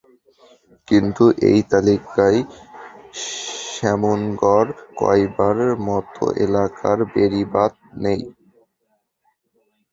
কিন্তু ওই তালিকায় শ্যামনগর, কয়রার মতো এলাকার বেড়িবাঁধ নেই।